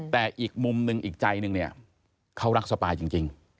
แต่อีกมุมหนึ่งอีกใจหนึ่งเนี่ยเขารักสปายจริง